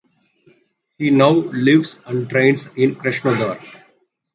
He now lives and trains in Krasnodar.